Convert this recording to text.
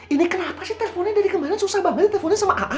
ini kenapa sih teleponnya dari kemarin susah banget ya teleponnya sama a'a